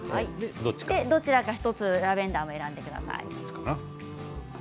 どちらか１つラベンダーを選んでください。